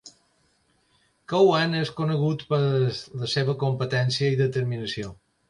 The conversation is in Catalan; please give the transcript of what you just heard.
Cowan és conegut per la seva competència i determinació.